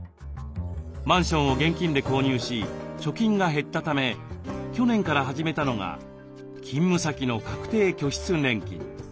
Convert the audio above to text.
マンションを現金で購入し貯金が減ったため去年から始めたのが勤務先の確定拠出年金。